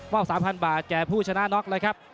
เก้าสามพันบาทแก่ผู้ชนะน็อคเลยครับ